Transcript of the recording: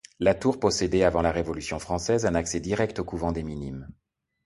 La tour possédait, avant la Révolution française, un accès direct au couvent des Minimes.